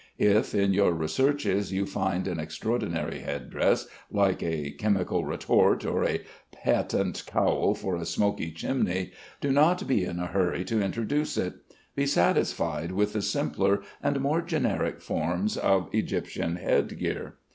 If in your researches you find an extraordinary head dress like a chemical retort, or a patent cowl for a smoky chimney, do not be in a hurry to introduce it. Be satisfied with the simpler and more generic forms of Egyptian head gear.